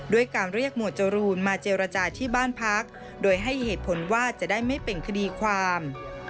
ด้วยการเรียกหมวดจรูนมาเจรจาที่บ้านพักโดยให้เหตุผลว่าจะได้ไม่เป็นคดีความ